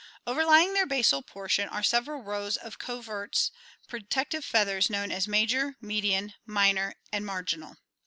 Overlying their VOLANT ADAPTATION 353 basal portion are several rows of coverts, protective feathers known as major, median, minor, and marginal.